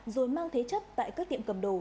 rồi mang thế chấp tại các tiệm cầm đồ